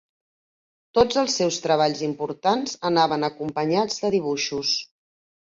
Tots els seus treballs importants anaven acompanyats de dibuixos.